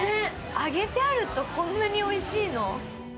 揚げてあると、こんなにおいしいの？